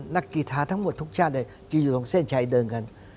กีธาทั้งหมดทุกชาติเลยยืนอยู่ตรงเส้นชัยเดิมกัน